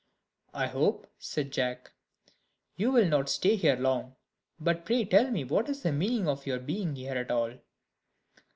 "I hope," said Jack, "you will not stay here long: but pray tell me what is the meaning of your being here at all?"